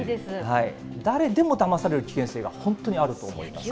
誰でもだまされる危険性が本当にあると思います。